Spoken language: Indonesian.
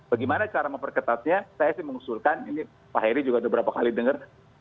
bagaimana cara memperketatnya saya sih mengusulkan ini pak heri juga beberapa kali dengar